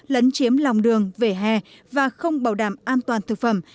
lấn chiếm lòng đường vỉa hè và không bảo đảm an toàn thực phẩm